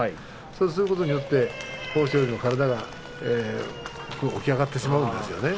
そうすることによって豊昇龍の体が起き上がってしまうんですね。